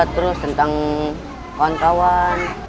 terus tentang kawan kawan